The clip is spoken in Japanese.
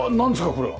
これは。